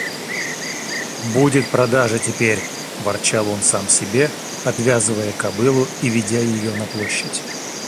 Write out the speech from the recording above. – Будет продажа теперь! – ворчал он сам себе, отвязывая кобылу и ведя ее на площадь.